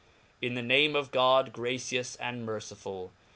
IN the name oF God, g;racious and mercifiil.